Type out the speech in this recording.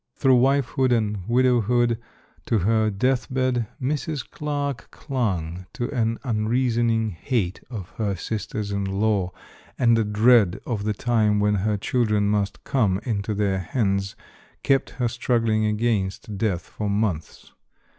Through wifehood and widowhood, to her deathbed, Mrs. Clarke clung to an unreasoning hate of her sisters in law, and a dread of the time when her children must come into their hands kept her struggling against death for months.